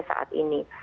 ite saat ini